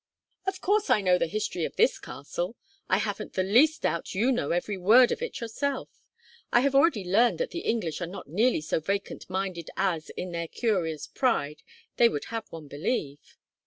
"Of course I know the history of this castle. I haven't the least doubt you know every word of it yourself. I have already learned that the English are not nearly so vacant minded as, in their curious pride, they would have one believe."